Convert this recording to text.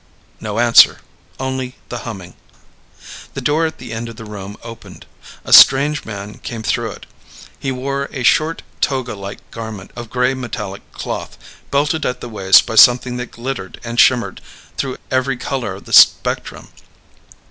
No answer. Only the humming. The door at the end of the room opened. A strange man came through it. He wore a short toga like garment of gray, metallic cloth belted at the waist by something that glittered and shimmered through every color of the spectrum.